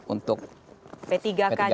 untuk p tiga k nya apa gitu ya